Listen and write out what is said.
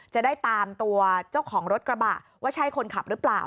จะได้ตามตัวเจ้าของรถกระบะว่าใช่คนขับหรือเปล่า